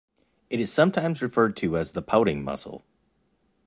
It is sometimes referred to as the pouting muscle.